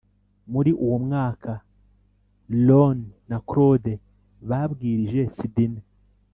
Muri uwo mwaka ron na claude babwirije sydney